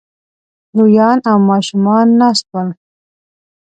لويان او ماشومان ناست ول